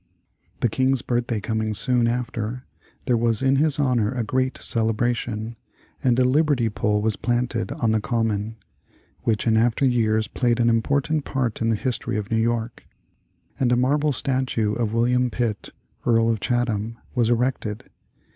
The King's birthday coming soon after, there was in his honor a great celebration, and a liberty pole was planted on the Common, which in after years played an important part in the history of New York; and a marble statue of William Pitt, Earl of Chatham, was erected.